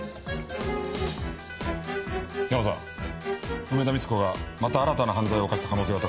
ヤマさん梅田三津子がまた新たな犯罪を犯した可能性が高い。